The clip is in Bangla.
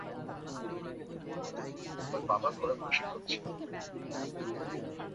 তোমার বাবা ঘোড়া প্রশিক্ষক ছিল।